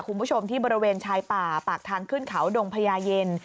คุณผู้ชมที่บริเวณชายป่าปากทางขึ้นเขาดงพญาเย็น